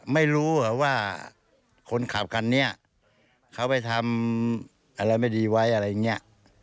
ไม่รู้ว่าคนขับคันนี้เขาไปทำอะไรไม่ดีไว้อะไรอย่างนี้